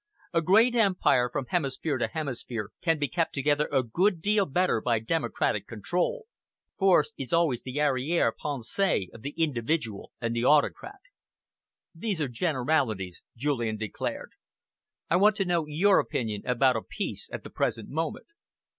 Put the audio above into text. "A great empire, from hemisphere to hemisphere, can be kept together a good deal better by democratic control. Force is always the arriere pensee of the individual and the autocrat." "These are generalities," Julian declared. "I want to know your opinion about a peace at the present moment."